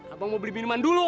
abang mau beli minuman dulu